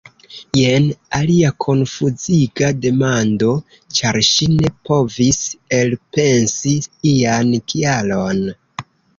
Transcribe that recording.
Jen alia konfuziga demando! Ĉar ŝi ne povis elpensi ian kialon.